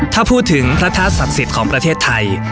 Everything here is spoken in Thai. ถ้าพูดถึงพระธาตุศักดิ์สิทธิ์ของประเทศไทย